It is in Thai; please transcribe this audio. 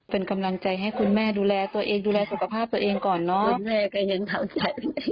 เป็นกำลังใจให้คุณแม่ดูแลตัวเองดูแลสุขภาพตัวเองก่อนเนอะ